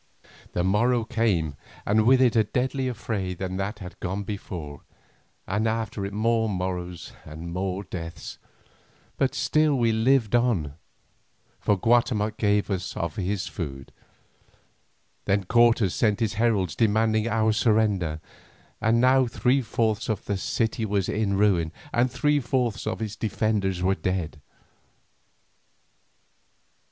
The morrow came, and with it a deadlier fray than any that had gone before, and after it more morrows and more deaths, but still we lived on, for Guatemoc gave us of his food. Then Cortes sent his heralds demanding our surrender, and now three fourths of the city was a ruin, and three fourths of its defenders were dead.